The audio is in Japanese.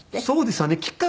そうですね。